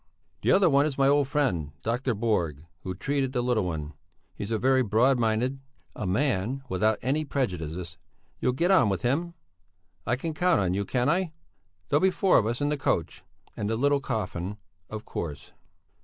The other one is my old friend, Dr. Borg, who treated the little one. He is very broad minded, a man without any prejudices; you'll get on with him! I can count on you, can't I? There'll be four of us in the coach, and the little coffin, of course."